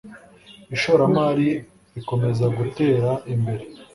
ishoramari rikomeza gutera imbere